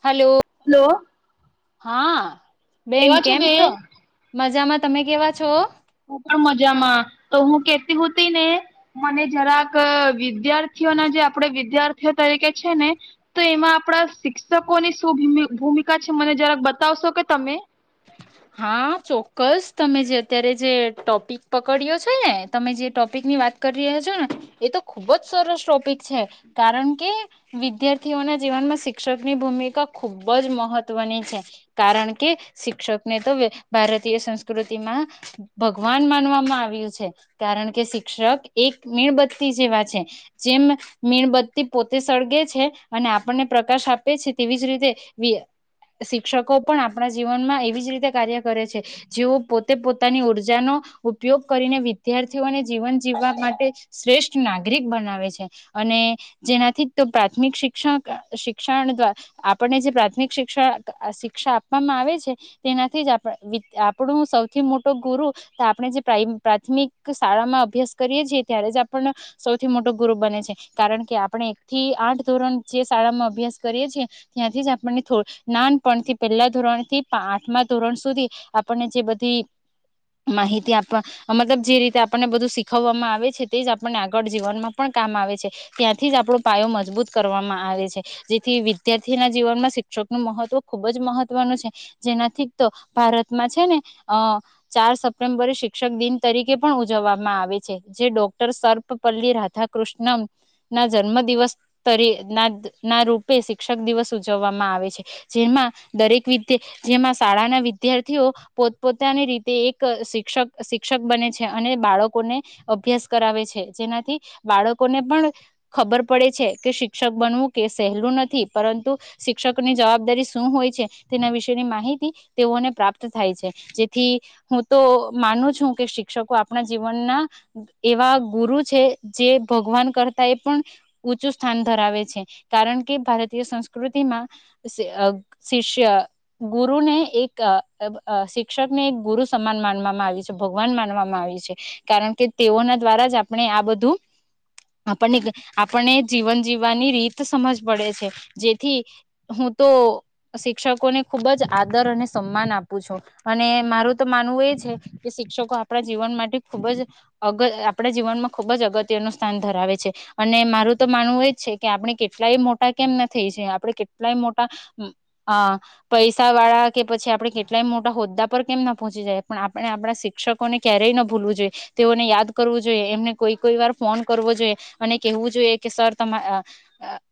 Hello. Hello. હા. બેન કેમ છો બેન મજામાં? તમે કેવા છો? હું પણ મજામાં તો હું કેતી હોતી ને મને જરાક વિદ્યાર્થીઓના જે આપણે વિદ્યાર્થી તરીકે છે ને તો એમાં આપણા શિક્ષકોની શું ભૂમિકા છે મને જરાક બતાવશો કે તમે. હા ચોક્કસ તમે જે અત્યારે જે ટોપિક પકડ્યો છે, ને તમે જે ટોપિક ની વાત કરી રહ્યા છો, ને એ તો ખૂબ જ સરસ ટોપિક છે, કારણ કે વિદ્યાર્થીઓના જીવનમાં શિક્ષક ની ભૂમિકા ખુબ જ મહત્વની છે, કારણ કે શિક્ષક ભારતીય સંસ્કૃતિમાં ભગવાન માનવામાં આવ્યું છે, કારણ કે શિક્ષક એક મીણબત્તી જેવા છે. જેમ મીણબત્તી પોતે સળગે છે. અને આપણને પ્રકાશ આપે છે. તેવી જ રીતે શિક્ષકો પણ આપણા જીવનમાં એવી જ રીતે કાર્ય કરે છે. જેઓ પોતે પોતાની ઉર્જાનો ઉપયોગ કરીને વિદ્યાર્થીઓને જીવન જીવવા માટે શ્રેષ્ઠ નાગરિક બનાવે છે. અને જેનાથી પ્રાથમિક શિક્ષણ શિક્ષણ દ્વા આપણને જે પ્રાથમિક શિક્ષણ શિક્ષા આપવામાં આવે છે. તેનાથી જ આપણું સૌથી મોટો ગુરુ આપણે જે પ્ર પ્રાથમિક શાળામાં અભ્યાસ કરીએ છીએ, ત્યારે જ આપણને સૌથી મોટો ગુરુ બને છે, કારણ કે આપણે એક થી આઠ ધોરણ જે શાળામાં અભ્યાસ કરીએ છીએ, ત્યાંથી જ આપણનેોડ નાનપણથી પહેલા ધોરણ થી ધોરણ સુધી આપણને જે બધી માહિતી આપવા મતલબ જે રીતે આપણને બધું શીખવવામાં આવે છે, તે જ આપણને આગળ જીવનમાં પણ કામ આવે છે, ત્યાંથી જ આપણો પાયો મજબૂત કરવામાં આવે છે. જેથી વિદ્યાર્થીના જીવનમાં શિક્ષક નું મહત્વ ખુબ જ મહત્વનું છે. જેનાથી ભારતમાં છે, ને અ ચાર સપ્ટેમ્બરે શિક્ષક દિન તરીકે પણ ઉજવવામાં આવે છે. જે ડોક્ટર સર્પપલ્લી રાધાકૃષ્ણ ના જન્મ દિવસ તરી ના ના રૂપે શિક્ષક દિવસ ઉજવવામાં આવે છે. જેમાં દરેક વિતે જેમાં શાળાના વિદ્યાર્થીઓ પોતપોતાની રીતે એક શિક્ષક શિક્ષક બને છે. અને બાળકોને અભ્યાસ કરાવે છે. જેનાથી બાળકોને પણ ખબર પડે છે, કે શિક્ષક બનવું કે સહેલું નથી, પરંતુ શિક્ષકની જવાબદારી શું હોય છે. તેના વિશે ની માહિતી તેઓને પ્રાપ્ત થાય છે. જેથી હું તો માનું છું, કે શિક્ષકો આપણા જીવનના એવા ગુરુ છે. જે ભગવાન કરતા એ પણ ઊંચું સ્થાન ધરાવે છે, કારણ કે ભારતીય સંસ્કૃતિમાં શિષ્ય ગુરુને એક શિક્ષકને એક ગુરુ સમાન માનવામાં આવી છે. ભગવાન માનવામાં આવી છે, કારણ કે તેઓના દ્વારા જ આપણે આ બધું આપણને આપણને જીવન જીવવાની રીત સમજ પડે છે. જેથી હું તો શિક્ષકોને ખૂબ જ આદર અને સન્માન આપું છું, અને મારું તો માનવું એ છે, કે શિક્ષકો આપણા જીવન માટે ખૂબ જ અગ આપણા જીવનમાં ખૂબ જ અગત્ય નું સ્થાન ધરાવે છે. અને મારું તો માનવું એજ છે, કે આપણે કેટલાય મોટા કેમ ના થાય છે. આપણે કેટલાય મોટા અ પૈસા વાળા કે પછી. આપડણે કેટલાય મોટા હોદ્દા પર કેમ ના પહોંચી જાય, પણ આપણે આપણા શિક્ષકોને ક્યારેય ના ભૂલવું જોઈએ. તેઓને યાદ કરવું જોઈએ, એમને કોઈ કોઈ વાર ફોન કરવો જોઈએ, અને કેહેવું જોઈએ કે સર તમા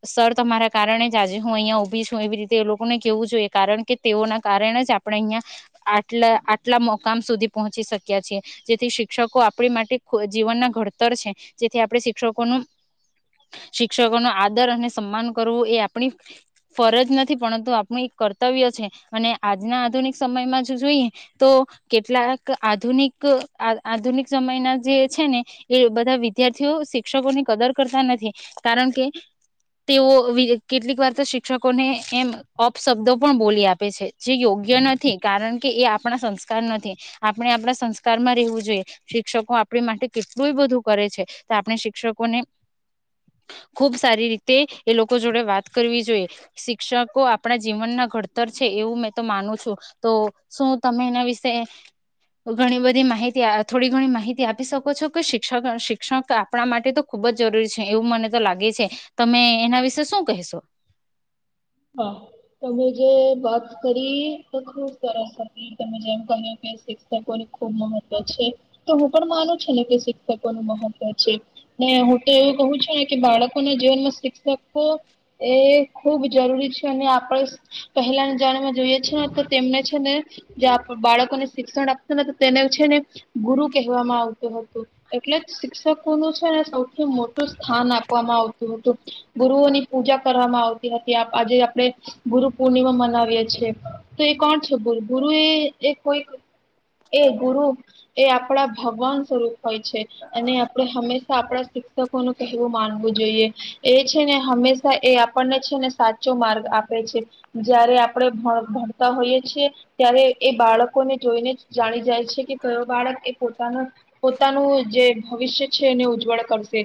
સર તમારા કારણે જ આજે હું અહીયાંયા ઊભી છું. એવી રીતે લોકોને કેવું જોઈએ. કારણ કે તેઓના કારણે જ આપણે અહિયાં આટલા આટલા મુકામ સુધી પહોંચી શક્યા છીએ. જેથી શિક્ષકો આપણી માટે જીવનના ઘડતર છે. જેથી આપણે શિક્ષકોનું શિક્ષકો ન આદર અને સન્માન કરવું, એ આપણી ફરજ નથી પરંતુ આપણ કર્તવ્ય છે. અને આજના આધુનિક સમયમાં જો જોઈએ. તો કેટલાક આધુનિક આધુનિક સમયના જે છે, ને એ બધા વિદ્યાર્થીઓ શિક્ષકોની કદર કરતા નથી, કારણ કે તેઓ કેટલીક વાર તો શિક્ષકોને એમપ શબ્દો પણ બોલી આપે છે. જે યોગ્ય નથી કારણ કે એ આપણા સંસ્કાર નથી આપણે આપણા સંસ્કારમાં રહેેવું જોઈએ. શિક્ષકો આપણી માટે કેટલું બધું કરે છે, તો આપણે શિક્ષકોને ખુબ સારી રીતે એ લોકો જોડે વાત કરવી જોઈએ. શિક્ષકો આપણા જીવનના ઘડતર છે. એવું મેં તો માનું છું, તો શું તમે એના વિશે ઘણી બધી માહિતી થોડી ઘણી માહિતી આપી શકો છો, કે શિક્ષક શિક્ષક આપણા માટે તો ખૂબ જ જરૂરી છે. એવું મને તો લાગે છે, તમે એના વિશે શું કહેશો? હ મે જે વાત કરી તો ખુબ સરસ હતી તમે જેમ કહ્યું કે શિક્ષકોને ખુબ મહત્વ છે. તો હું પણ માનું છું, ને કે શિક્ષકો નું મહત્વ છે, ને હું તો એવું કહું છે, ને કે બાળકો ના જીવનમાં શિક્ષકો એ ખુબ જરૂરી છે, અને આપણે પહેલા જાણમાં જોઈએ છે, ને તો તેમને છે. ને બાળકોને શિક્ષણ આપતું ને તેને છે ને ગુરુ કહેવામાં આવતો હતો. એટલે જ શિક્ષક છેને સૌથી મોટું સ્થાન આપવામાં આવતું હતું. ગુરુઓની પૂજા કરવામાં આવતી હતી. આજે આપણે ગુરુ પૂર્ણિમા મનાવીએ છેએ. તો એ કોણ છે, ગુરુ ગુરુ એ એ કોઈક એ ગુરુ એ આપણા ભગવાન સ્વરૂપ હોય છે અને આપણે હંમેશા આપણા શિક્ષકો નું કહેવું માનવું જોઈએ એ છે ને હંમેશા એ આપણને છે ને સાચો માર્ગ આપે છે જયારે આપણે ભણ ભણતા હોઈએ છીએ ત્યારે એ બાળકોને જોઈને જાણી જાય છે, કે કયો બાળક એ પોતાનું પોતાનું જે ભવિષ્ય છે એને ઉજ્જવળ કરશે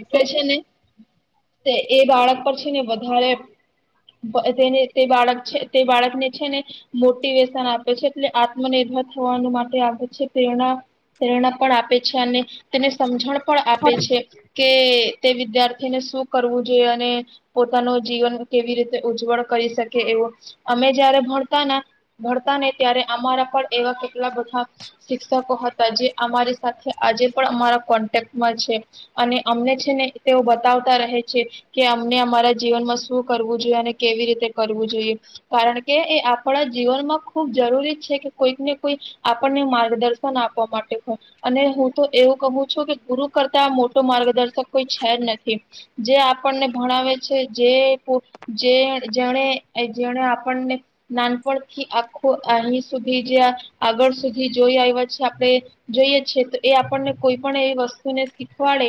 એટલે છે, ને તે એ બાળક પછીને વધારે તેને તે બાળક છે, તે બાળકને છે ને મોટિવેશન આપે છે, એટલે આત્મનિર્ભર થવાનું માટે આપે છે. પ્રેરણા પ્રેરણા પણ આપે છે. અને તેને સમજણ પણ આપે છે કે તે વિદ્યા તેને શું કરવું જોઈએ? અને પોતાનું જીવન કેવી રીતે ઉજ્જવળ કરી શકે. એવો અમે જય્યારે ભણતા ભણતા ને ત્યારે અમારા પણ એવા કેટલા બધા શિક્ષકો હતા જે અમારી સાથે આજે પણ અમારા કોન્ટેક્ટમાં છે, અને અમને છે, ને તેઓ બતાવતા રહે છે, કે અમ ને અમારા જીવનમાં શું કરવું જોઈએ, અને કેવી રીતે કરવું જોઈએ, કારણ કે એ આપણા જીવનમાં ખુબ જરૂરી છે. કે કોઈકને કોઈ આપણને માર્ગદર્શન આપવા માટે હો. અને હું તો એવું કમું છું કે ગુરુ કરતા આ મોટો માર્ગદર્શક કોઈ છે. જ નથી જે આપણને ભણાવ છે જે જે જેણે જેને આપણને નાનપણથી આખું અહી સુધી જે આગળ સુધી જોઈ આવ્યા છે. આપણે જોઈએ છે, તો એ આપણને કોઈ પણ એવી વસ્તુને શીખવાડે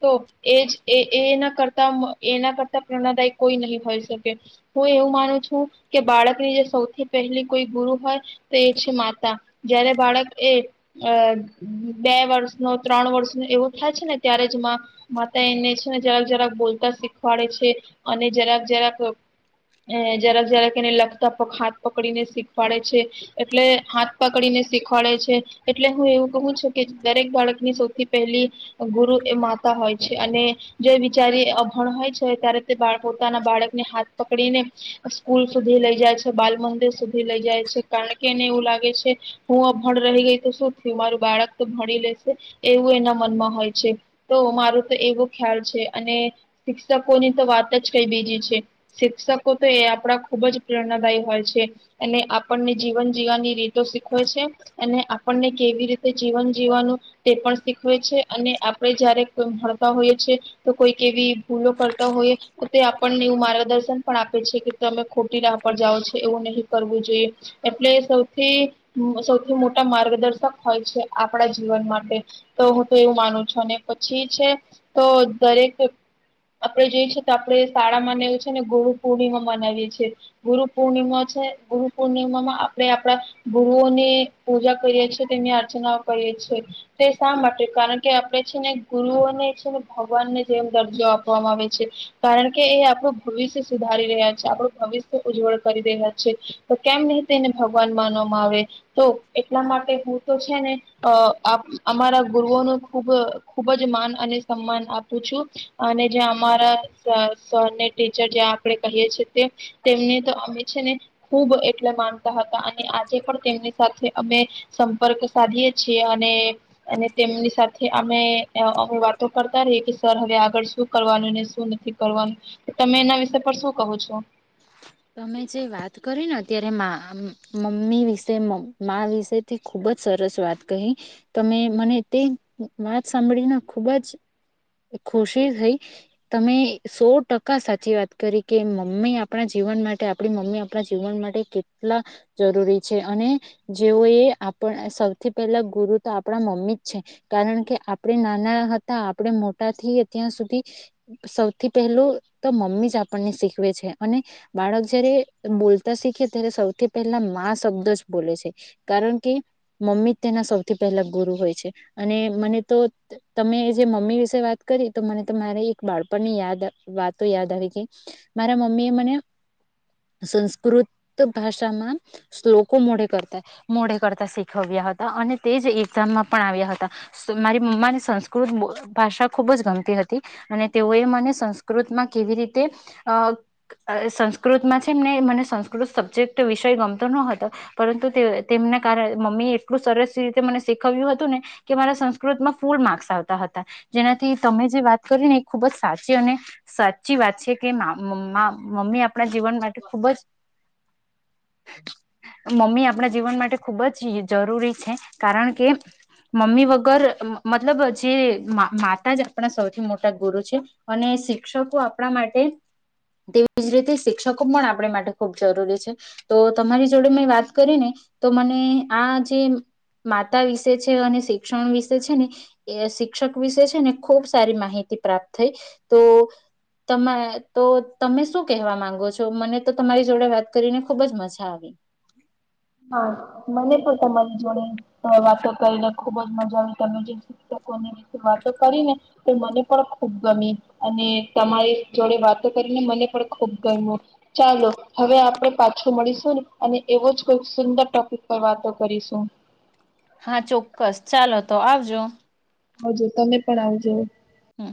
તો એજ એ એ એના કરતા એના કરતા પ્રેરણાદાય કોઈ નહીં હોય શકે. હું એવું માનું છું કે બાળકની જે સૌથી પહેલી કોઈ ગુરુ હોય તો એ છે માતા. જયારે બાળક એ અ બે વર્ષ ન ત્રણ વર્ષ ન એવું થાય છે. ને ત્યારે જ મ માતા એને છે, ને જરાક જરાક બોલતા શિ શીખવાડે છે. અને જરાક જરાક જરાક જરાક એને લખતા હાથ પકડીને શીખવાડે છે, એટલે હાથ પકડીને શીખવાડે છે, એટલે હું એવું કહું છું, કે દરેક બાળકની સૌથી પહેલી ગુરુ એ માતા હોય છે. અને જો બિચારી અ ભણ હોય ત્યારે તે બા પોતાના બાળકને હાથ પકડીને સ્કૂલ સુધી લઈ જાય છે બાલ મંદિર સુધી લઈ જાય છે કારણ કે એને એવું લાગે છે હું અભણ રહી ગઈ તો શું થયું મારું બાળક તો ભણી લેશે એવું એના મનમાં હોય છે તો મારું તો એવો ખ્યાલ છે અને શિક્ષકો ની તો વાત જ કઈ બીજી છે. શિક્ષકો તો એ આપણા ખુબ જ પ્રેરણાદાયી હોય છે અને આપણને જીવન જીવવાની રીતો શીખવેય છે અને આપણને કેવી રીતે જીવન જીવવાનું તે પણ શીખવે છે અને આપણે જયારે કોઈ ભતા હોઈએ છે તો કોઈક એવી ભૂલો કરતા હોય તો તે આપણને એવું માર્ગદર્શન પણ આપે છે. કે તમે ખોટી રાહ પર જાઓ છે એવું નહી કરવું જોઈએ એટલે સૌથી સૌથી મોટા માર્ગદર્શક હોય છે આપણા જીવન માટે તો હું તો એવું માનું છું અને પછી છે તો દરેક આપડણે જોઈએ છેએ તો આપણે શાળામાં ને એવું છે ને ગુરુ પૂર્ણિમા મનાવીએ છીએ. ગુરુ પૂર્ણિમા છે ગુરુ પૂર્ણિમામાં આપણે આપડા ગુરુઓને પૂજા કરીએ છે. તેની આ ર્ચના કરીએ છે છેએ તે શા માટે કારણ કે આપણે છે ને ગુરુઓને છે ને ભગવાનને જેમ દર્જો આપ આપવામાં આવે છે. કારણ કે એ આપણું ભવિષ્ય સુધારી રહ્યા છે. આપણું ભવિષ્ય ઉજ્જવળ કરી રહ્યા છે. તો કેમ નહી તે એને ભગવાન માનવામાં આવે તો એટલા માટે હું તો છે ને અ અ અમારા ગુરુઓ નો ખૂબ ખુબ જ માન અને સન્માન આપું છું. અને જે અમારા સ સરને ટીચર આપે કહીએ છેએ તે તેમને તો અમે છે ને ખુબ એટલે માનતા હતા અને આજે પણ તેમની સાથે અમે સંપર્ક સાધીએ છીએ અને અને તેમની સાથે અમે અમે વાતો કરતા રહીએ કે સર હવે આગળ શું કરવાનું ને શું નથી કરવાનું તમે એના વિષ પર શું કો છો? આ મમ્મી વિશે મા વિશે ખુબ જ સરસ વાત કહી તમે મને તે વાત સાંભળીને ખુબ જ ખુશી થઈ તમે સો ટકા સાચી વાત કરી કે મમ્મી આ પણા જીવન માટે આપણી મમ્મી આપણા જીવન માટે કેટલા જરૂરી છે. અને જેઓ એ આપ સૌથી પહેલા ગુરુ તો આપણા મમ્મી જ છે કારણ કે આપણે નાના હતા આપણે મોટા થીયા ત્યાં સુધી સૌથી પહેલું તો મમ્મી જ આપણને શીખવે છે. અને બાળક જયારે બોલતા શીખે ત્યારે સૌથી પહેલા માં શબ્દ જ બોલે છે. કારણ કે મમ્મી તેના સૌથી પહેલા ગુરુ હોય છે. અને મને તો તમે જે મમ્મી વિશે વાત કરી તો મને તો તમારે એક બાળપણની યાદ વાતો યાદ આવી ગઈ મારામ મ્મી મને સંસ્કૃત ભાષામાં શ્લોકો મોડે કરતા મોડે કરતા શીખવ્યા હતા અને તે જ એક્ઝામમાં પણ આવ્યા હતા મારી મમ્માને સંસ્કૃત ભાષા ખૂબ જ ગમતી હતી અને તેઓએ મને સંસ્કૃતમાં કેવી રીતે અ અ સંસ્કૃતમાં છેમ ને મને સંસ્કૃત સબ્જેક્ટ વિષય ગમતો ન હતો પરંતુ તે તેમના કારણે મમ્મી એ એટલું સરસ રીતે મને શીખવ્યું હતું ને કે મારા સંસ્કૃતમાં ફૂલ માર્ક્સ આવતા હતા જેનાથી તમે જે વાત કરી ને એ ખૂબ જ સાચી અને સાચી વાત છે કે મ મા મમ્મી આપણા જીવન માટે ખૂબ જ મમ્મી આપણા જીવન માટે ખૂબ જ જરૂરી છે કારણ કે મમ્મી વગર મતલબ જે માતા જ આપણા સૌથી મોટા ગુરુ છે અને શિક્ષકો આપણા માટે તે જ રીતે શિક્ષકો પણ આપણે માટે ખૂબ જરૂરી છે. તો તમારી જોડે મેં વાત કરી ને તો મને આ જે માતા વિશે છે અને શિક્ષણ વિશે છે ને શિક્ષક વિશે છે ને ખૂબ સારી માહિતી પ્રાપ્ત થઈ તો તમય તો તમે શું કહેવા માંગો છો? મને તો તમારી જોડે વાત કરીને ખુબ જ મજા આવી. હા મને પણ તમારી જોડે [unintelligible] વાતો કરીને ખુબ જ મજા આવી તમે જે શિક્ષકોને વાતો કરી ને તો મને પણ ખૂબ ગમી અને તમારી જોડે વાતો કરીને મને પણ ખુબ ગમ્યું ચાલો હવે આપડણે પાછું મળીશું ને અને એવો જ. સુંદર ટોપિક પર વાતો કરીશું હા ચોક્કસ ચાલો તો આવજો. આવજો તમે પણ આવજો. હમ